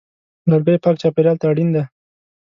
لرګی پاک چاپېریال ته اړین دی.